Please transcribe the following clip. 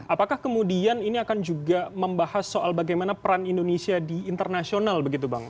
apakah kemudian ini akan juga membahas soal bagaimana peran indonesia di internasional begitu bang